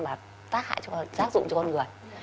và tác hại cho con người